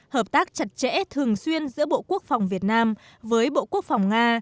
hợp tác chặt chẽ thường xuyên giữa bộ quốc phòng việt nam với bộ quốc phòng nga